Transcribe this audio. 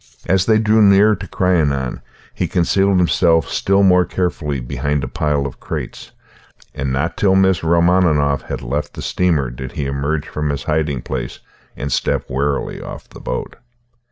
As they drew near to Crianan he concealed himself still more carefully behind a pile of crates, and not till Miss Romaninov had left the steamer did he emerge from his hiding place and step warily off the boat.